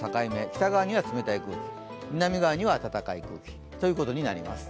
北側には冷たい空気、南側には暖かい空気ということになります。